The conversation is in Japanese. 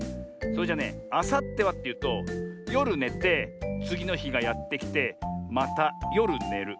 それじゃねあさってはっていうとよるねてつぎのひがやってきてまたよるねる。